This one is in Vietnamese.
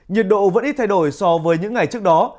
nhiệt độ vẫn ít thay đổi so với những ngày trước đó